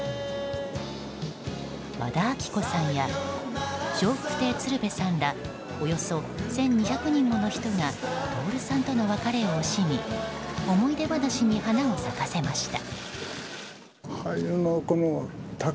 和田アキ子さんや笑福亭鶴瓶さんらおよそ１２００人もの人が徹さんとの別れを惜しみ思い出話に花を咲かせました。